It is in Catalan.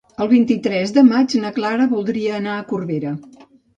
El vint-i-tres de maig na Clara voldria anar a Corbera.